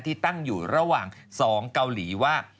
ที่ตั้งอยู่ระหว่าง๒เกาหลีว่า